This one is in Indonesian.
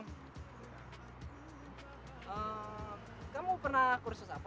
kamu pernah kursus apa